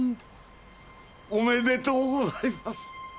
おめでとうございます。